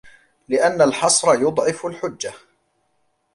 لِأَنَّ الْحَصْرَ يُضَعِّفُ الْحُجَّةَ